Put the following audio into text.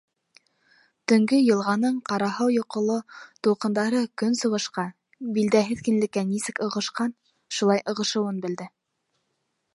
Төнгө йылғаның ҡараһыу-йоҡоло тулҡындары көнсығышҡа, билдәһеҙ киңлеккә нисек ығышҡан, шулай ығышыуын белде.